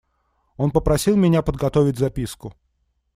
Он попросил меня подготовить записку.